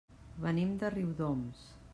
Venim de Riudoms.